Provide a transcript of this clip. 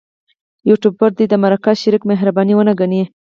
یوټوبر دې د مرکه شریک مهرباني ونه ګڼي.